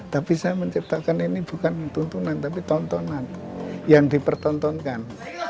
tapi saya menciptakan ini bukan tuntunan tapi tontonan yang dipertontonkan